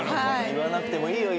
言わなくてもいいよ